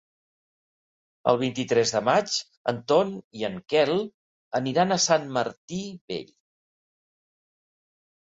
El vint-i-tres de maig en Ton i en Quel aniran a Sant Martí Vell.